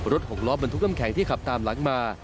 หกล้อบรรทุกน้ำแข็งที่ขับตามหลังมา